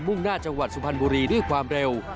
่งหน้าจังหวัดสุพรรณบุรีด้วยความเร็ว